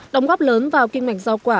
đồng góp lớn vào kinh mạch giao quả